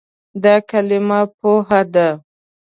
دا کلمه "پوهه" ده.